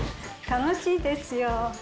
楽しいですよ。